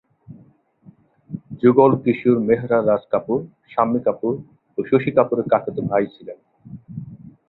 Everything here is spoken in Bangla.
যুগল কিশোর মেহরা রাজ কাপুর, শাম্মী কাপুর ও শশী কাপুরের কাকাতো ভাই ছিলেন।